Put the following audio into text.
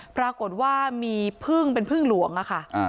ปรากฏว่ามีพึ่งเป็นพึ่งหลวงอะค่ะ